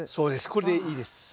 これでいいです。